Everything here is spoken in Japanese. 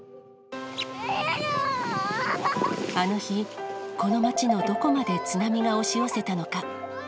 あの日、この街のどこまで津波が押し寄せたのか。